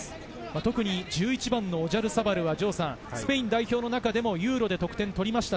特に１１番のオジャルサバルは、スペイン代表の中でもユーロでも得点を取りました。